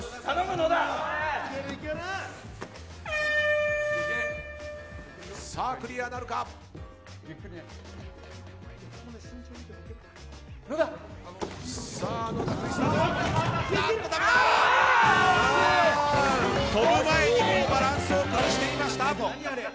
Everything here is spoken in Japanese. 飛ぶ前にバランスを崩していました。